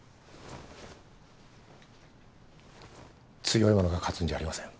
強い者が勝つんじゃありません。